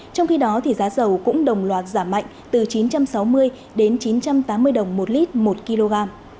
trong khi đó giá dầu cũng đồng loạt giảm mạnh từ chín trăm sáu mươi đến chín trăm tám mươi đồng một lít một kg